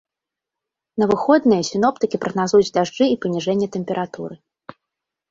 На выходныя сіноптыкі прагназуюць дажджы і паніжэнне тэмпературы.